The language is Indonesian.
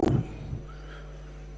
yang penting aku